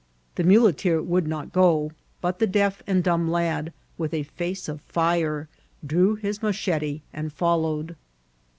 The muleteer would not go, but the deaf and dumb lad, with a face of fire, drew his machete and followed.